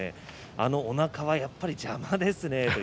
あのおなかはやっぱり邪魔ですね。